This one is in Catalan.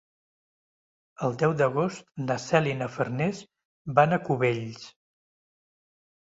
El deu d'agost na Cel i na Farners van a Cubells.